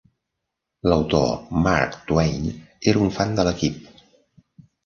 L'autor Mark Twain era un fan de l'equip.